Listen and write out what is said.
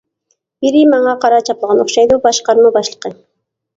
-بىرى ماڭا قارا چاپلىغان ئوخشايدۇ، باشقارما باشلىقى!